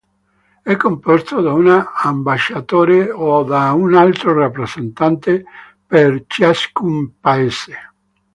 È composto da un ambasciatore o da un altro rappresentante per ciascun paese.